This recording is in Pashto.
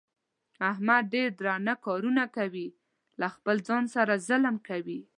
احمد ډېر درانه کارونه کوي. له خپل ځان سره ظلم کوي.